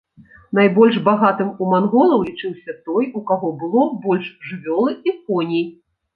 Найбольш багатым у манголаў лічыўся той, у каго было больш жывёлы і коней.